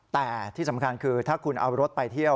แต่ที่สำคัญคือถ้าคุณเอารถไปเที่ยว